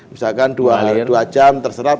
misalkan dua jam terserap